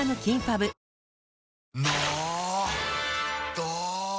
ど！